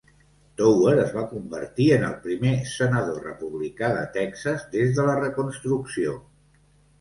Tower es va convertir en el primer senador republicà de Texas des de la Reconstrucció.